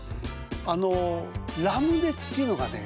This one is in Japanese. あの「ラムネ」っていうのがね